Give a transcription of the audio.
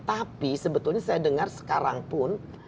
tapi sebetulnya saya dengar sekarang pun